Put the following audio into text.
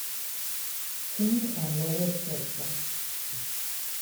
King and Lowell Fulsom.